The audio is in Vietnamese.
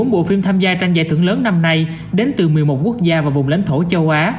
bốn bộ phim tham gia tranh giải thưởng lớn năm nay đến từ một mươi một quốc gia và vùng lãnh thổ châu á